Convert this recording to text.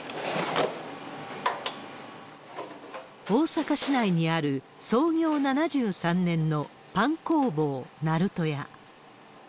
大阪市内にある、創業７３年のパン工房鳴門屋。